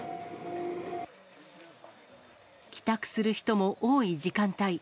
帰宅する人も多い時間帯。